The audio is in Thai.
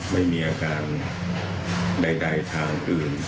ไม่มีอาการใดทางอื่น